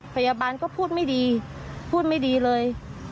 พยาบาลก็พูดไม่ดีพูดไม่ดีเลย